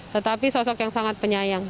tetapi sosok yang sangat penyayang